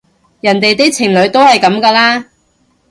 人哋啲情侶都係噉㗎啦